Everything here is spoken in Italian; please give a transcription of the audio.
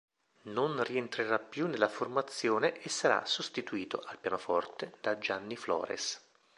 Non rientrerà più nella formazione e sarà sostituito, al pianoforte, da Gianni Flores.